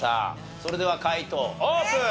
それでは解答オープン！